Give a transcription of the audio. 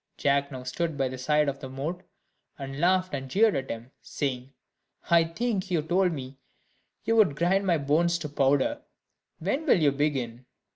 Jack now stood by the side of the moat, and laughed and jeered at him, saying, "I think you told me you would grind my bones to powder; when will you begin?"